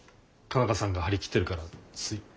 佳奈花さんが張り切ってるからつい。